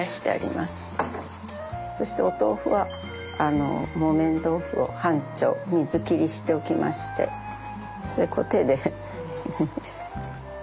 そしてお豆腐は木綿豆腐を半丁水切りしておきましてそれをこう手で。